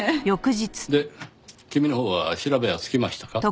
で君のほうは調べはつきましたか？